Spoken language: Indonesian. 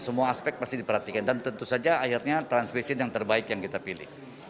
semua aspek pasti diperhatikan dan tentu saja akhirnya transmission yang terbaik yang kita pilih